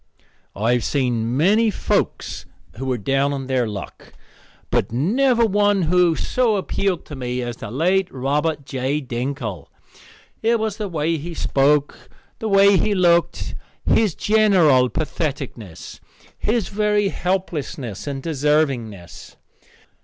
I have seen many folks who were down on their luck, but never one who so appealed to me as the late Robert J. Dinkle. It was the way he spoke, the way he looked, his general patheticness, his very helplessness, and deservingness.